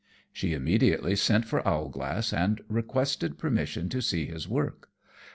She immediately sent for Owlglass, and requested permission to see his work.